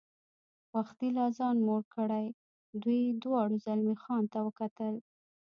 وختي لا ځان موړ کړی، دوی دواړو زلمی خان ته وکتل.